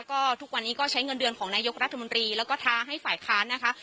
ก็ทุกวันนี้ก็ใช้เงินเดือนของนายกรัฐมนตรีแล้วก็ท้าให้ฝ่ายค้านนะคะ